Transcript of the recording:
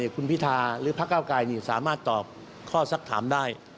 คุณพิธาหรือพกสามารถตอบข้อสักถามได้